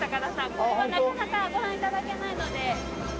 ここはなかなかご覧頂けないので。